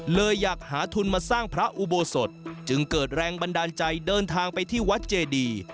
เลยอยากหาทุนมาสร้างพระอุโบสถจึงเกิดแรงบันดาลใจเดินทางไปที่วัดเจดี